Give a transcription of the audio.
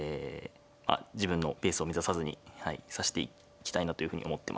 まあ自分のペースを乱さずに指していきたいなというふうに思ってます。